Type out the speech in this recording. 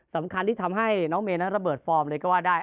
สำคัญที่ทำให้น้องเมย์ระเบิดความความคิดและโดดเลยก็ว่้าได้